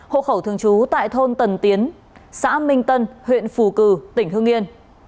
hộ khẩu thường chú tại thôn tần tiến xã minh tân huyện phù cử tỉnh hương yên